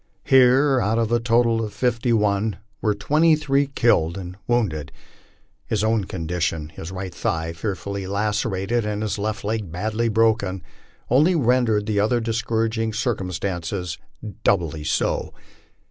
Here, out of a total of fifty one, were twenty three killed and wounded. His own condition, his right thigh fearfully lacerated, and his left leg badly broken, only rendered the other discouraging circumstances doubly so.